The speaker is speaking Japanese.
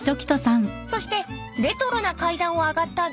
［そしてレトロな階段を上がった２階には］